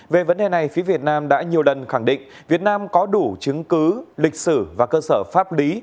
về vấn đề này phía việt nam đã nhiều lần khẳng định việt nam có đủ chứng cứ lịch sử và cơ sở pháp lý